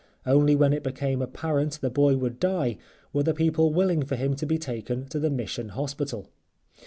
Only when it became apparent the boy would die were the people willing for him to be taken to the Mission Hospital.